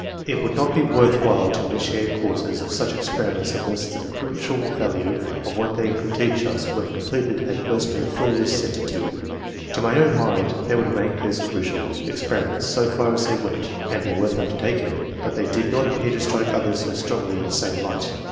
It would not be worth while to initiate courses of such experiments unless the crucial value of what they could teach us when completed had first been fully assented to. To my own mind they would rank as crucial experiments so far as they went, and be worth undertaking, but they did not appear to strike others so strongly in the same light.